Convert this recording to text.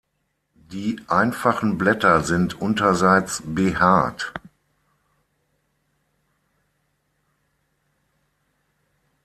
Die einfachen Blätter sind unterseits behaart.